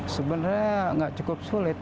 sebenarnya gak cukup sulit